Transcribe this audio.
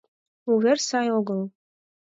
Увер сай огыл.